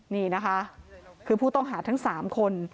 นี่นะคะคือผู้ต้องหาทั้ง๓คน